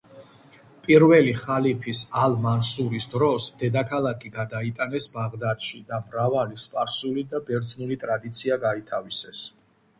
პირველი ხალიფის, ალ-მანსურის დროს, დედაქალაქი გადაიტანეს ბაღდადში და მრავალი სპარსული და ბერძნული ტრადიცია გაითავისეს.